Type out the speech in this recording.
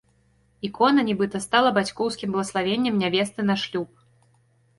Ікона нібыта стала бацькоўскім блаславеннем нявесты на шлюб.